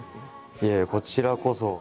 いえいえこちらこそ。